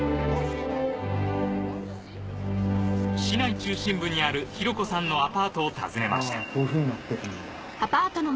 市内中心部にある紘子さんのアパートを訪ねましたあっ！